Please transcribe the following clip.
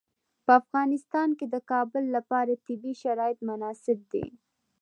په افغانستان کې د کابل لپاره طبیعي شرایط مناسب دي.